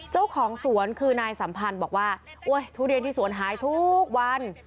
เจ้าของสวนคือนายสัมพันธ์บอกว่าทุเรียนที่สวนหายทุกวัน